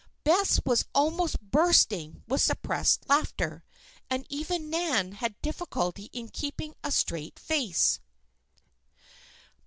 Bess was almost bursting with suppressed laughter, and even Nan had difficulty in keeping a straight face.